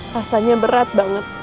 rasanya berat banget